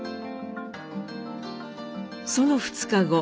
その２日後。